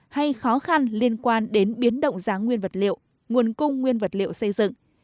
hay khó khăn liên quan đến biến động giá nguyên vật liệu nguồn cung nguyên vật liệu xây dựng